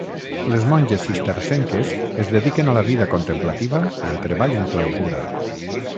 Les monges cistercenques es dediquen a la vida contemplativa i el treball en clausura.